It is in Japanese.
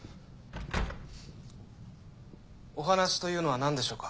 お話というのは何でしょうか？